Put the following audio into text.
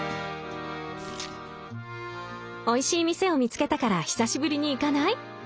「おいしい店を見つけたから久しぶりに行かない？